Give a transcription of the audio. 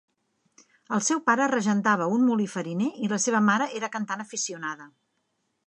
El seu pare regentava un molí fariner i la seva mare era cantant aficionada.